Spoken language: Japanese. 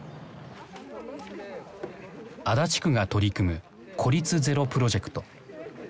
足立区が取り組む孤立ゼロプロジェクト。